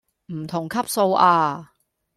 唔同級數呀